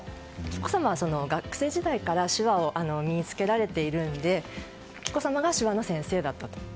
紀子さまは学生時代から手話を身に付けられているので紀子さまが手話の先生だったと。